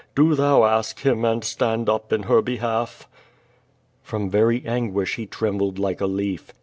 Do Thou ask Him and stand up in her behalf." From very anguish he trembled like a leaf.